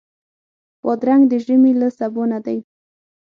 بادرنګ د ژمي له سبو نه دی.